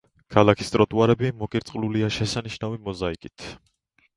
ქალაქის ტროტუარები მოკირწყლულია შესანიშნავი მოზაიკით.